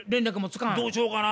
どうしようかな？